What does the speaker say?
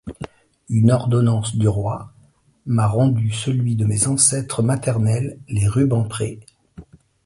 Une Ordonnance du Roi m’a rendu celui de mes ancêtres maternels, les Rubempré.